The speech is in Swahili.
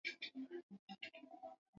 na baadaya kuapishwa akatoa neno la shukrani